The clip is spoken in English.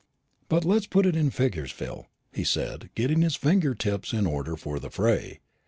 "Let us put it in figures, Phil," he said, getting his finger tips in order for the fray.